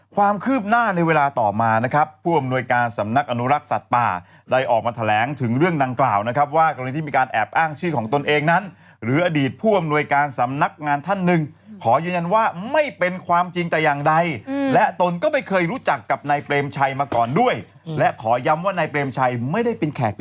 ความคืบหน้าในเวลาต่อมานะครับผู้อำนวยการสำนักอนุรักษ์สัตว์ป่าได้ออกมาแถลงถึงเรื่องดังกล่าวนะครับว่ากรณีที่มีการแอบอ้างชื่อของตนเองนั้นหรืออดีตผู้อำนวยการสำนักงานท่านหนึ่งขอยืนยันว่าไม่เป็นความจริงแต่อย่างใดและตนก็ไม่เคยรู้จักกับนายเปรมชัยมาก่อนด้วยและขอย้ำว่านายเปรมชัยไม่ได้เป็นแขก